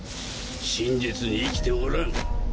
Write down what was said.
真実に生きておらん。